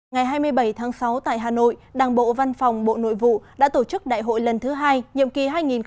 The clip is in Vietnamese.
ngày hai mươi bảy tháng sáu tại hà nội đảng bộ văn phòng bộ nội vụ đã tổ chức đại hội lần thứ hai nhiệm kỳ hai nghìn hai mươi hai nghìn hai mươi năm